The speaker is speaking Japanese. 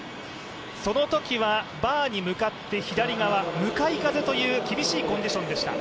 そのときはバーに向かって左側、向かい風という厳しいコンディションでした。